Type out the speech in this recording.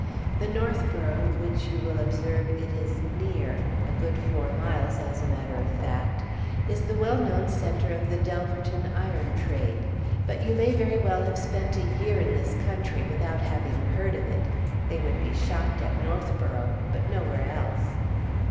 The Northborough which, you will observe, it is 'near' a good four miles, as a matter of fact is the well known centre of the Delverton iron trade. But you may very well have spent a year in this country without having heard of it; they would be shocked at Northborough, but nowhere else."